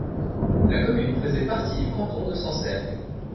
La commune faisait partie du canton de Sancergues.